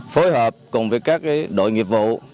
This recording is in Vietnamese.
phối hợp cùng với các đội nghiệp vụ